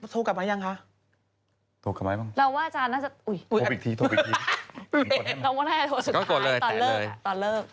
ตอนเลิกตอนเลิกตอนเลิก